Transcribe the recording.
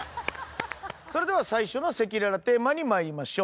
それでは最初の赤裸々テーマに参りましょう。